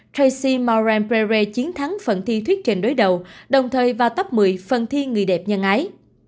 tracy moran pere chiến thắng phần thi thuyết trình đối đầu đồng thời vào top một mươi phần thi người đẹp nhân ái